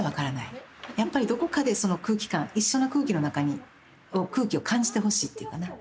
やっぱりどこかでその空気感一緒の空気の中に空気を感じてほしいっていうかな。